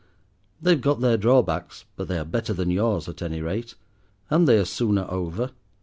They've got their drawbacks, but they are better than yours, at any rate, and they are sooner over.